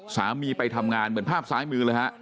สามีไปทำงานเหมือนภาพซ้ายมือเลยฮะ